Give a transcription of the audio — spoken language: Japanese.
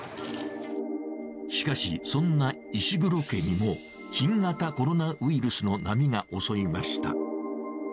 しかし、そんな石黒家にも新型コロナウイルスの波が襲いました。